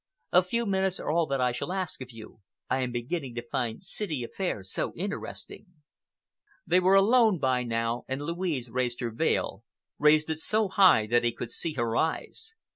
A few minutes are all that I shall ask of you. I am beginning to find city affairs so interesting." They were alone by now and Louise raised her veil, raised it so high that he could see her eyes.